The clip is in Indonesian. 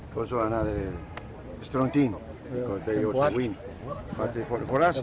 pertama sekali timnya sangat kuat